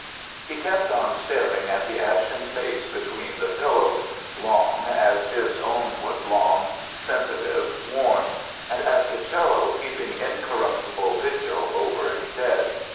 He kept on staring at the ashen face between the pillows, long (as his own was long), sensitive, worn; and at the 'cello keeping incorruptible vigil over its dead.